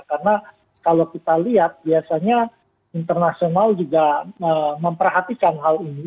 karena kalau kita lihat biasanya internasional juga memperhatikan hal ini